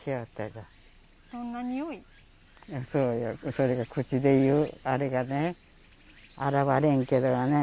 それが口で言うあれがね表れんけどやね